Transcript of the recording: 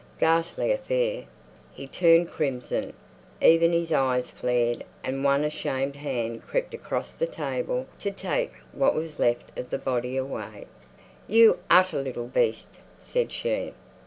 Ghastly affair! He turned crimson. Even his ears flared, and one ashamed hand crept across the table to take what was left of the body away. "You utter little beast!" said she.